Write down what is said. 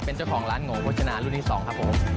เป็นเจ้าของร้านโง่โภชนารุ่นที่๒ครับผม